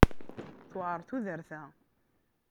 Tewɛer tudert-a.